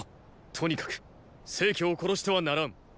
とにかく成を殺してはならん。